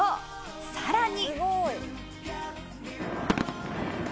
さらに。